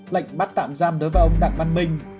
lệnh bắt tạm giam đối với ông đặng văn minh